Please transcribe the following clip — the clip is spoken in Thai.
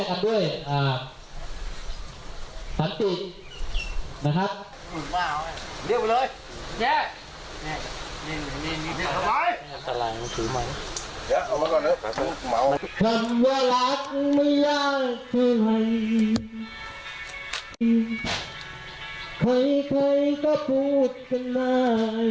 ใครก็พูดกันมา